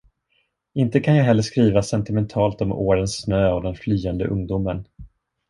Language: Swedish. Inte kan jag heller skriva sentimentalt om årens snö och den flyende ungdomen.